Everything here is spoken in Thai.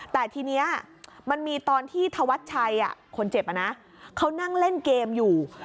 แต่ทีนี้มันมีตอนที่ธวัดชัยคนเจ็บเขานั่งเล่นเกมอยู่